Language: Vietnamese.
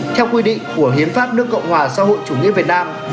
theo quy định của hiến pháp nước cộng hòa xã hội chủ nghĩa việt nam